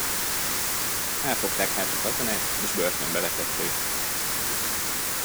Elfogták hát a katonát, és börtönbe vetették.